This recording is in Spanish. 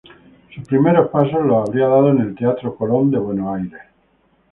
Sus primeros pasos los habría dado en el Teatro Colón de Buenos Aires.